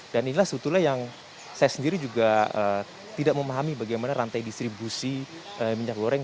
dan inilah sebetulnya yang saya sendiri juga tidak memahami bagaimana rantai distribusi minyak goreng